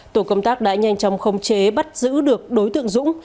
tổ công tác đã nhanh chóng khống chế bắt giữ được đối tượng dũng